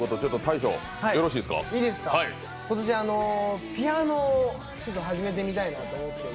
今年、ピアノを始めてみたいなと。